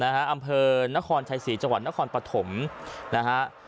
อำเภอนครชัยศรีจังหวัดนครปฐมนะฮะ